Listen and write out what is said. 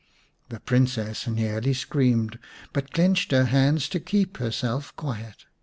The Princess nearly screamed, but clenched her hands to keep herself quiet.